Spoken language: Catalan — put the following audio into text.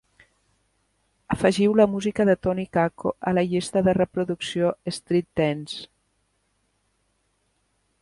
Afegiu la música de Tony Kakko a la llista de reproducció Street Dance